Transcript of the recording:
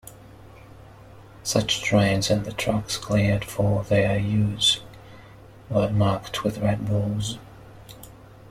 Such trains and the tracks cleared for their use were marked with red balls.